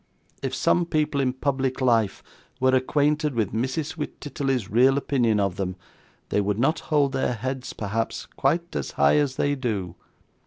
If some people in public life were acquainted with Mrs Wititterly's real opinion of them, they would not hold their heads, perhaps, quite as high as they do.